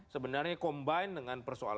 sebenarnya combine dengan persoalan